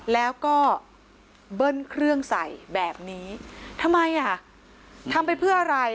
แล้วก็เบิ้ลเครื่องใส่แบบนี้ทำไมอ่ะทำไปเพื่ออะไร